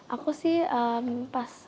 aku sih pas